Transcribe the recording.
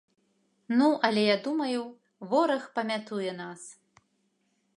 Ну, але я думаю, вораг памятуе нас.